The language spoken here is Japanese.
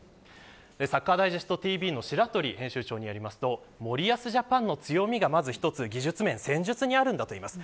サッカーダイジェストＴＶの白鳥編集長によりますと森保ジャパンの強みが技術面、戦術にあるんだということです。